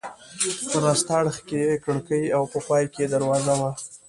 په راسته اړخ کې یې کړکۍ او په پای کې یې دروازه وه.